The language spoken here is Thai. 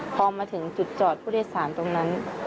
ก็เลยใช่ค่ะวันนั้น